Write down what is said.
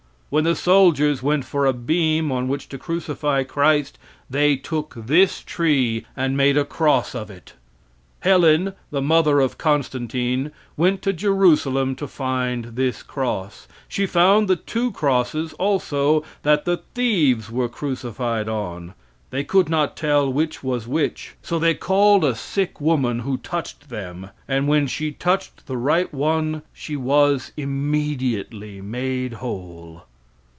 When the soldiers went for a beam on which to crucify Christ they took this tree and made a cross of it. Helen, the mother of Constantine, went to Jerusalem to find this cross. She found the two crosses, also, that the thieves were crucified on. They could not tell which was which, so they called a sick woman who touched them, and when she touched the right one she was immediately made whole.